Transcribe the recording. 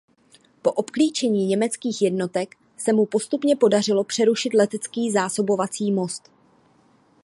Po obklíčení německých jednotek se mu postupně podařilo přerušit letecký zásobovací most.